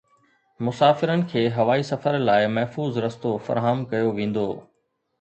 مسافرن کي هوائي سفر لاءِ محفوظ رستو فراهم ڪيو ويندو